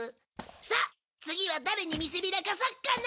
さあ次は誰に見せびらかそうかな。